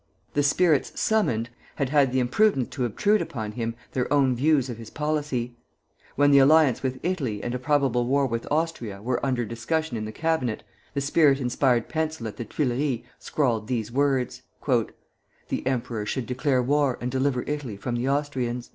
The spirits "summoned" had had the imprudence to obtrude upon him their own views of his policy. When the alliance with Italy and a probable war with Austria were under discussion in the cabinet, the spirit inspired pencil at the Tuileries scrawled these words: "The emperor should declare war and deliver Italy from the Austrians."